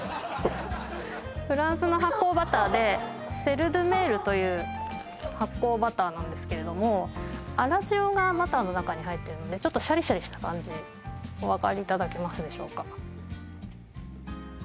フランスの発酵バターでセル・ドゥ・メールという発酵バターなんですけれども粗塩がバターの中に入ってるのでちょっとシャリシャリした感じお分かりいただけますでしょうか